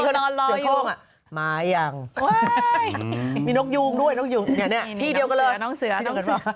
เสือก้มอะมายังมีนกยูงด้วยนกยูงอย่างนี้ที่เดียวกันแล้ว